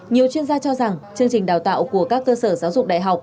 nhiều chuyên gia cho rằng chương trình đào tạo của các cơ sở giáo dục đại học